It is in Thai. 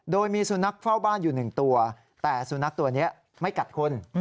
โดยมีสุนัขเฝ้าบ้านอยู่๑ตัวแต่สุนัขตัวนี้ไม่กัดคน